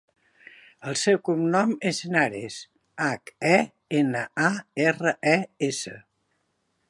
El seu cognom és Henares: hac, e, ena, a, erra, e, essa.